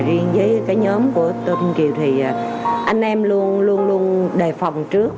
và riêng với cái nhóm của tô tinh kiều thì anh em luôn luôn luôn đề phòng trước